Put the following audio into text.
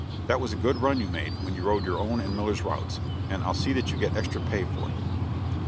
That was a good run you made when you rode your own and Miller's routes, and I'll see that you get extra pay for it."